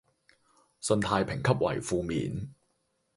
信貸評級為負面